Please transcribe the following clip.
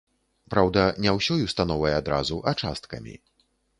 Праўда, не ўсёй установай адразу, а часткамі.